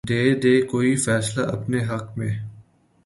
دے دے کوئی فیصلہ اپنے حق میں